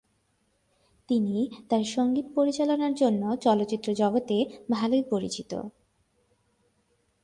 তিনি তার সঙ্গীত পরিচালনার জন্য চলচ্চিত্র জগতে ভালোই পরিচিত।